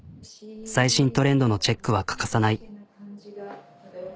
最新トレンドのチェックは欠かさない。